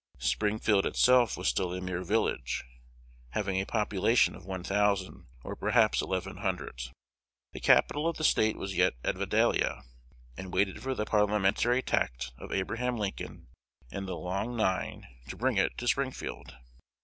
Springfield itself was still a mere village, having a population of one thousand, or perhaps eleven hundred. The capital of the State was yet at Vandalia, and waited for the parliamentary tact of Abraham Lincoln and the "long nine" to bring it to Springfield.